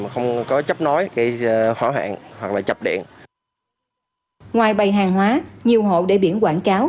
không có chấp nối cái hỏa hoạn hoặc là chập điện ngoài bày hàng hóa nhiều hộ để biển quảng cáo